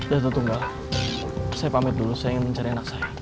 datu tunggal saya pamit dulu saya ingin mencari anak saya